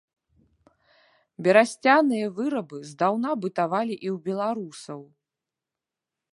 Берасцяныя вырабы здаўна бытавалі і ў беларусаў.